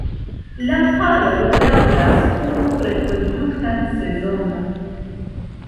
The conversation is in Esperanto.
La paro daŭras unu reproduktan sezonon.